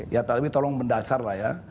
ya tapi tolong mendasar lah ya